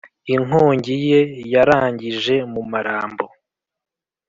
inkongi ye yarangije mu marambo.